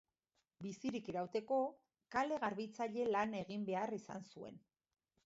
Bizirik irauteko, kale garbitzaile lan egin behar izan zuen.